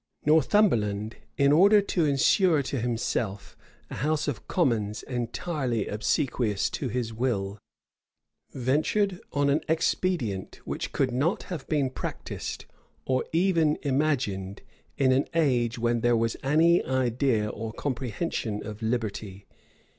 Northumberland, in order to insure to himself a house of commons entirely obsequious to his will, ventured on an expedient which could not have been practised, or even imagined, in an age when there was any idea or comprehension of liberty.